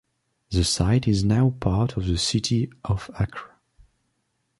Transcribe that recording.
The site is now part of the city of Acre.